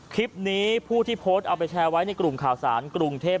คลิปนี้ผู้ที่โพสต์เอาไปแชร์ไว้ในกลุ่มข่าวสารกรุงเทพ